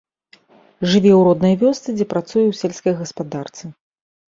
Жыве ў роднай вёсцы, дзе працуе ў сельскай гаспадарцы.